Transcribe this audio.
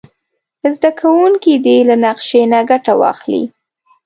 زده کوونکي دې له نقشې نه ګټه واخلي.